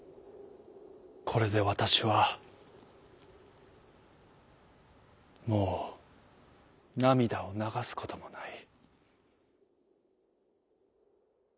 「これでわたしはもうなみだをながすこともない」。